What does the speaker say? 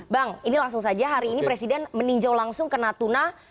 bang ini langsung saja hari ini presiden meninjau langsung ke natuna